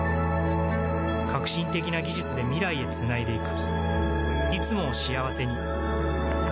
革新的な技術で未来へつないでいく